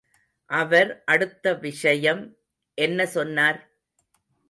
அவர் அடுத்த விஷயம் என்ன சொன்னார்?